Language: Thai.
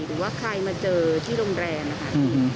หรือว่าใครมาเจอที่โรงแรมนะคะ